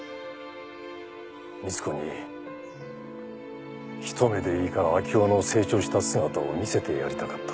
光子に一目でいいから明生の成長した姿を見せてやりたかった。